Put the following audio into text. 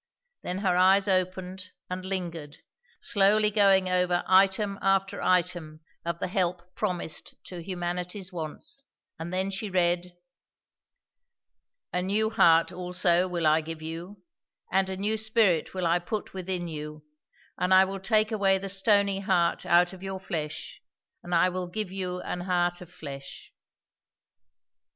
Then her eyes opened, and lingered, slowly going over item after item of the help promised to humanity's wants, and then she read: "A new heart also will I give you, and a new spirit will I put within you; and I will take away the stony heart out of your flesh, and I will give you an heart of flesh."